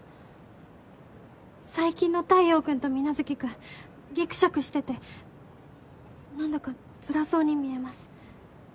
最近の太陽君と皆月君ギクシャクしてて何だかつらそうに見えます。